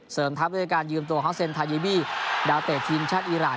เสริมทับด้วยการยืมตัวฮอร์เซ็นทาเยบีดาวเตะทีมชาติอีราน